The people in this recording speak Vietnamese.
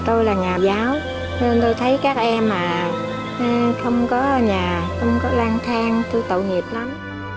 tôi là nhà giáo nên tôi thấy các em mà không có ở nhà không có lang thang tôi tự nghiệp lắm